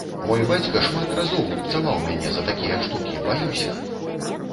Мой бацька шмат разоў лупцаваў мяне за такія штукі, баюся!